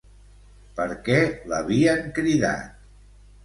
Per què l'havien cridat?